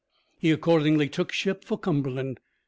He accordingly took ship for Cumberland.